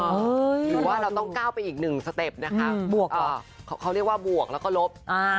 หรือว่าเราต้องก้าวไปอีก๑สเต็ป